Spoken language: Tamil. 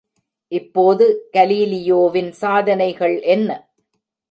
இப்போது, கலீலியோவின் சாதனைகள் என்ன?